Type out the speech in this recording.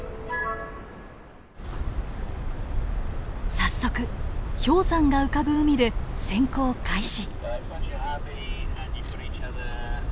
早速氷山が浮かぶ海で潜航開始！